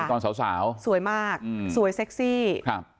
ตอนสาวสาวสวยมากอืมสวยเซ็กซี่ครับ